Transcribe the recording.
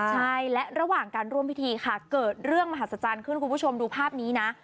ใช่และระหว่างการร่วมพิธีค่ะเกิดเรื่องมหัศจรรย์ขึ้นคุณผู้ชมดูภาพนี้นะ